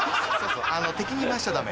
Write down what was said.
敵に回しちゃダメ。